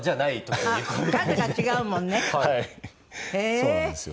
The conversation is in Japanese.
そうなんですよ。